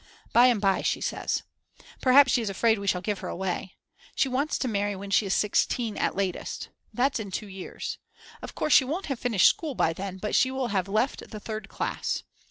By and by she says. Perhaps she is afraid we shall give her away. She wants to marry when she is 16 at latest. That's in 2 years. Of course she won't have finished school by then, but she will have left the third class.